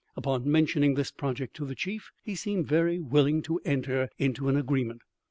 Upon mentioning this project to the chief he seemed very willing to enter into an agreement.